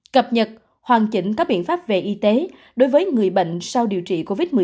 cập nhật hoàn chỉnh các biện pháp về y tế đối với người bệnh sau điều trị covid một mươi chín